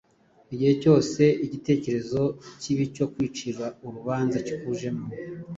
igihe cyose igitekerezo kibi cyo kwicira urubanza kikujemo,